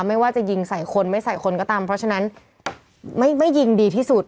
ไม่ว่าจะยิงใส่คนไม่ใส่คนก็ตามเพราะฉะนั้นไม่ยิงดีที่สุด